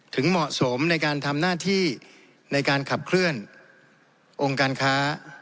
เหมาะสมในการทำหน้าที่ในการขับเคลื่อนองค์การค้า